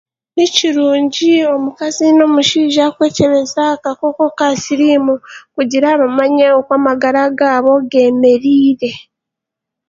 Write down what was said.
Nikiruungi omukazi n'omushaija kwekyebeza akakooko ka siriimu kugira bamanye oku amagaara gaabo geemeriire.